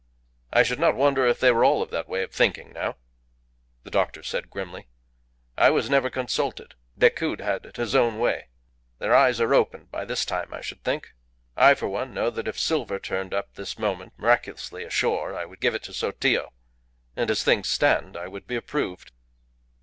"I should not wonder if they were all of that way of thinking now," the doctor said, grimly. "I was never consulted. Decoud had it his own way. Their eyes are opened by this time, I should think. I for one know that if that silver turned up this moment miraculously ashore I would give it to Sotillo. And, as things stand, I would be approved."